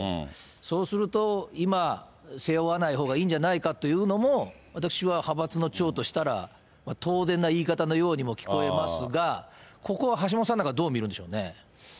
そうすると、今、背負わないほうがいいんじゃないかっていうのも、私は派閥の長としたら、当然な言い方のようにも聞こえますが、ここは橋下さんなんかはどう見るんでしょうね。